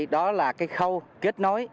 đó là cái khâu kết nối